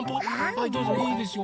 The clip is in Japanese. はいどうぞいいですよ。